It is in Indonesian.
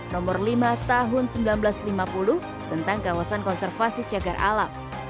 nomor lima tahun seribu sembilan ratus lima puluh tentang kawasan konservasi cagar alam